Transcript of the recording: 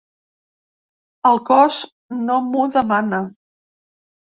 El cos no m’ho demana